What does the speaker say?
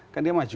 kan dia maju